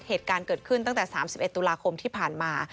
เหตุการณ์เกิดขึ้นตั้งแต่๓๑ตุลาคมที่ผ่านมา